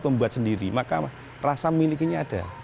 membuat sendiri maka rasa milikinya ada